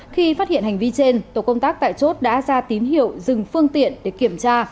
khi phát hiện hành vi trên tổ công tác tại chốt đã ra tín hiệu dừng phương tiện để kiểm tra